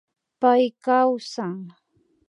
Pay kawsan